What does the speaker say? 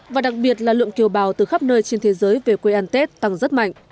và đặc biệt là lượng kiều bào từ khắp nơi trên thế giới về quê ăn tết tăng rất mạnh